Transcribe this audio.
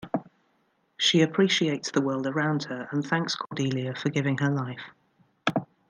She appreciates the world around her and thanks Cordelia for giving her life.